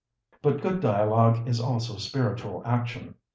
But good dialogue is also spiritual action.